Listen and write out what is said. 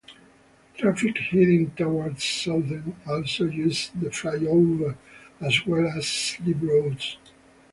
Traffic heading towards Southend also uses the flyover as well as slip roads.